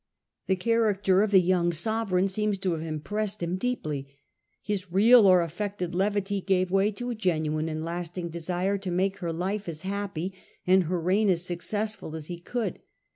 The character of the young Sovereign seems to have impressed him deeply. His real or affected levity gave way to a genuine and lasting desire to make her life as happy, and her reign as successful, as he could.